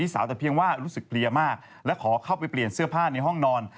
สาวแต่เพียงว่ารู้สึกเกลียมากและขอเข้าไปเปลี่ยนเสื้อผ้าในห้องนอน